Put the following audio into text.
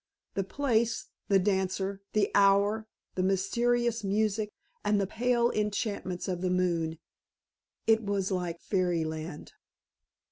The place, the dancer, the hour, the mysterious music, and the pale enchantments of the moon it was like fairyland.